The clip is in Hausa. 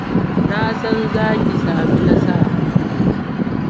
Na san za ki sami nasara.